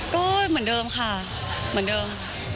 ก็เหมือนเดิมค่ะเหมือนเดิม